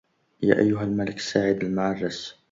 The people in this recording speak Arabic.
يا أيها الملك السعيد المعرس